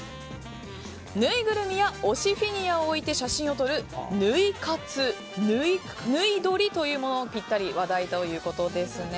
ぬいぐるみや推しフィギュアを置いて写真を撮る、ぬい活ぬい撮りというものにぴったりと話題ということですね。